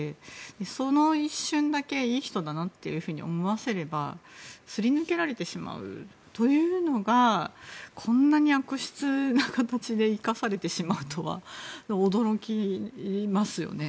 その一瞬だけいい人だなと思わせればすり抜けられてしまうというのがこんなに悪質な形で生かされてしまうとは驚きますよね。